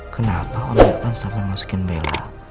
kenapa om irvan sampai masukin bella